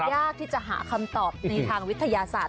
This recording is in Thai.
ยากที่จะหาคำตอบในทางวิทยาศาสต